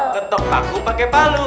tetap paku pake palu